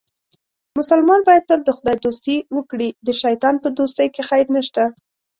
مسلمان باید تل د خدای دوستي وکړي، د شیطان په دوستۍ کې خیر نشته.